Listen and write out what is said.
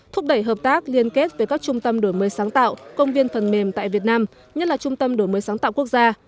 thúc đẩy hợp tác liên kết với các trung tâm đổi mới sáng tạo công viên phần mềm tại việt nam nhất là trung tâm đổi mới sáng tạo quốc gia